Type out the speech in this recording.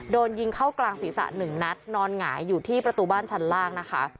โดนยิงเข้ากลางศีรษะหนึ่งนัดนอนหงายอยู่ที่ประตูบ้านชั้นล่างนะคะ